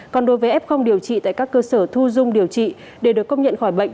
còn đối với f điều trị tại các cơ sở thu dung điều trị để được công nhận khỏi bệnh